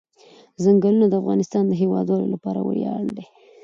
ځنګلونه د افغانستان د هیوادوالو لپاره ویاړ دی.